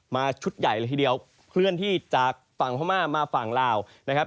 ชุดใหญ่เลยทีเดียวเคลื่อนที่จากฝั่งพม่ามาฝั่งลาวนะครับ